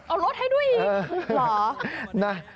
เอารดให้ด้วยอีกหรอนะฮะ